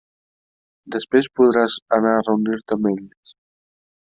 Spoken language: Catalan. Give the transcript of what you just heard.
Després podràs anar a reunir-te amb ells.